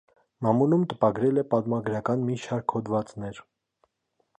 Մամուլում տպագրել է պատմագրական մի շարք հոդվածներ։